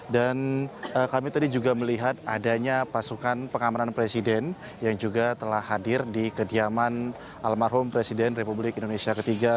dan kami tadi juga melihat adanya pasukan pengamanan presiden yang juga telah hadir di kediaman almarhum presiden republik indonesia ketiga